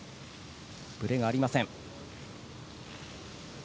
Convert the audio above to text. ブレがありません。